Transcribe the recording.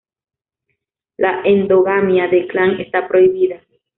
La endogamia de clan está prohibida.